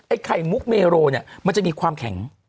ไข่มุกเมโรเนี่ยมันจะมีความแข็ง